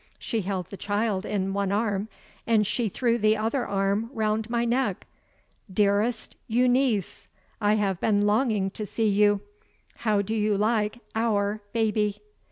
She held the child in one arm, and she threw the other arm round my neck. "Dearest Euneece, I have been longing to see you. How do you like Our baby?"